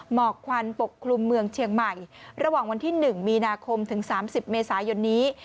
หมอกควันปกคลุมเมืองเชียงใหม่ระหว่างวันที่๑มีนาคมถึง๓๐เมษายนนี้